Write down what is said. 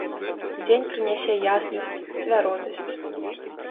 Дзень прынясе яснасць, цвярозасць.